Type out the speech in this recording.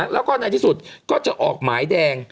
แล้วก็ในที่สุดก็จะออกหมายแดง